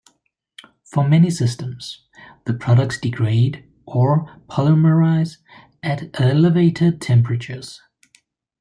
For many systems, the products degrade or polymerize at elevated temperatures.